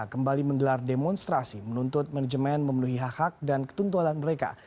kembali menggelar demonstrasi menuntut manajemen memenuhi hak hak dan ketentuan mereka